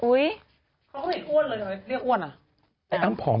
อื้มม